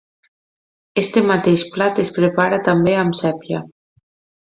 Este mateix plat es prepara també amb sépia.